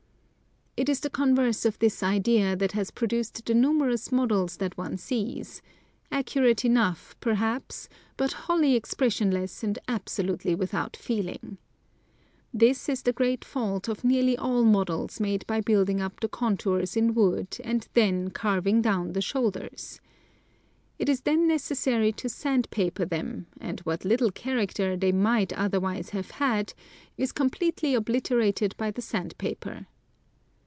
It is the converse of this idea that has produced the numerous models that one sees ; accurate enough, perhaps, but wholly expression less and absolutely without feeling. This is the great fault of nearly all models made by building up the contours in wood and then carving down the shoulders. It is then necessary to sand paper them, and what little character they might otherwise have had is completely obliterated by the sand paper.